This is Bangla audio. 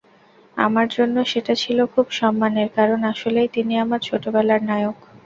আমার জন্য সেটা ছিল খুব সম্মানের, কারণ, আসলেই তিনি আমার ছোটবেলার নায়ক।